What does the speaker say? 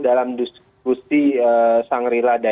dalam diskusi sang rila dan